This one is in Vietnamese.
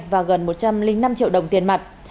và gần một trăm linh năm triệu đồng tiền mặt